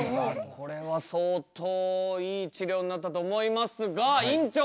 これは相当いい治療になったと思いますが院長